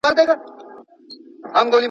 هغه مخالفت چي شاګرد یې لري، باید واورېدل سي.